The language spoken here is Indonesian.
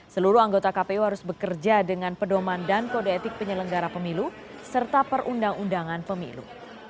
seluruh anggota kpu harus bekerja dengan pedoman dan kode etik penyelenggara pemilu serta perundang undangan pemilu